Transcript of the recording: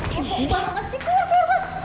kepo banget sih kamu